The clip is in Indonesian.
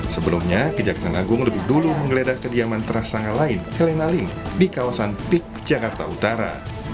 sebelumnya kejagung kejagung lebih dulu menggeledah kediaman teras tangga lain helena link di kawasan pik jakarta utara